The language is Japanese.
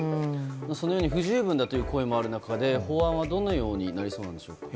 そのように不十分だという声もある中で法案は、どのようになりそうなんでしょうか？